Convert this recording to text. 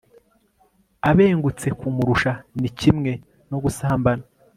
abengutse kumurusha ni kimwe no gusambana